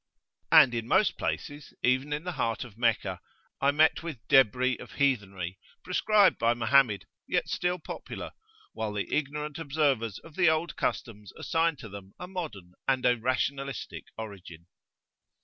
And in most places, even in the heart of Meccah, I met with debris of heathenry, proscribed by Mohammed, yet still popular, while the ignorant observers of the old customs assign to them a modern and a rationalistic origin.